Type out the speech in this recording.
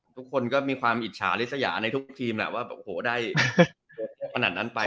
ทุกคนก็มีความอิจฉาลิสยาในทุกทีมว่าได้ขนาดนั้นไป